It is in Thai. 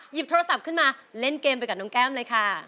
หยิบโทรศัพท์ขึ้นมาเล่นเกมไปกับน้องแก้มเลยค่ะ